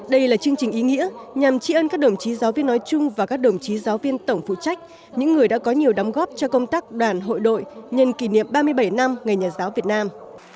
đây là chương trình ý nghĩa nhằm trị ân các đồng chí giáo viên nói chung và các đồng chí giáo viên tổng phụ trách những người đã có nhiều đóng góp cho công tác đoàn hội đội nhân kỷ niệm ba mươi bảy năm ngày nhà giáo việt nam